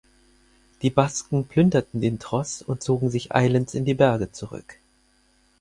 Die Basken plünderten den Tross und zogen sich eilends in die Berge zurück.